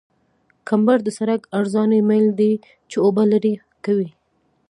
کمبر د سرک عرضاني میل دی چې اوبه لرې کوي